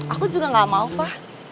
aku juga nggak mau pa